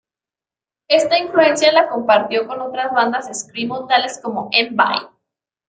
Esta influencia la compartió con otras bandas screamo, tales como Envy.